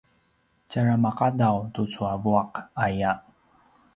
tjara maqadav tucu a vuaq aya